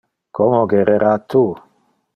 Como gerera tu?